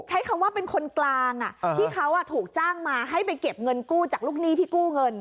ใช้คำว่าเป็นคนกลางที่เขาถูกจ้างมาให้ไปเก็บเงินกู้จากลูกหนี้ที่กู้เงิน